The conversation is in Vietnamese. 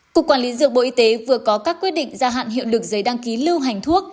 cục quản lý dược bộ y tế vừa có các quyết định gia hạn hiệu lực giấy đăng ký lưu hành thuốc